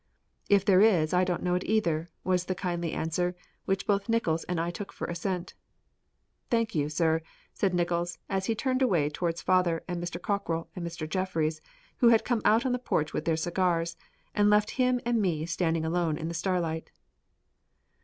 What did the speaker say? "If there is I don't know it, either," was the kindly answer, which both Nickols and I took for assent. "Thank you, sir," said Nickols, as he turned away towards father and Mr. Cockrell and Mr. Jeffries, who had come out on the porch with their cigars, and left him and me standing alone in the starlight.